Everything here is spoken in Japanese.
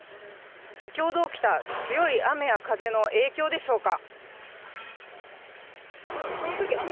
先ほど起きた強い雨や風の影響でしょうか。